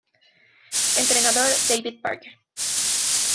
Entrenador: David Parker